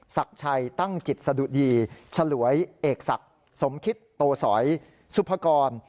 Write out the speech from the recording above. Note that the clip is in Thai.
ศักดิ์ชัยตั้งจิตสะดุดีฉลวยเอกศักดิ์สมคิตโตสอยสุภกร